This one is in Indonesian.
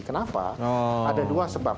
kenapa ada dua sebab